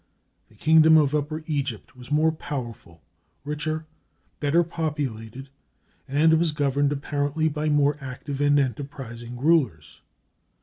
The kingdom of Upper Egypt was more powerful, richer, better populated, and was governed apparently by more active and enterprising rulers.